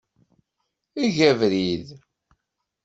Eg abrid.